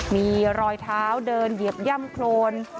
มีรอยเท้าเดินเหยียบย่ำโครน